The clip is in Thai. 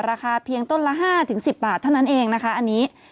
ราคาเพียงต้นละ๕๑๐บาทเท่านั้นเองนะคะอันนี้